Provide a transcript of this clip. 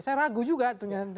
saya ragu juga dengan